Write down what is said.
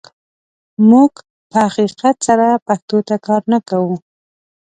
موږ په حقیقت سره پښتو ته کار نه کوو.